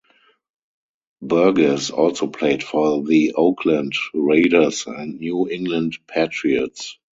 Burgess also played for the Oakland Raiders and New England Patriots.